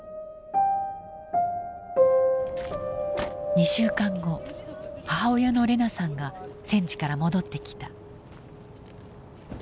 ２週間後母親のレナさんが戦地から戻ってきた。